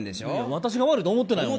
私が悪いと思ってないもん。